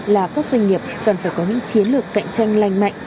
là các doanh nghiệp cần phải có những chiến lược cạnh tranh lành mạnh